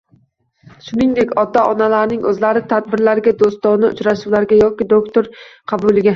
shuningdek ota-onalarning o‘zlari tadbirlarga, do‘stona uchrashuvlarga yoki doktor qabuliga